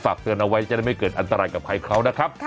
เตือนเอาไว้จะได้ไม่เกิดอันตรายกับใครเขานะครับ